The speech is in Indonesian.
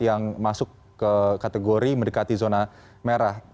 yang masuk ke kategori mendekati zona merah